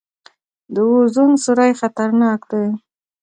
د اوزون سورۍ خطرناک دی